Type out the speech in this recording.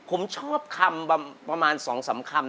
ผมชอบคำประมาณ๒๓คำ